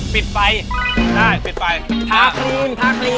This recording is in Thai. ปิดไฟได้ครับท้ากรีม